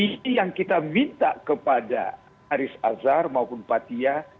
ini yang kita minta kepada aris azhar maupun patia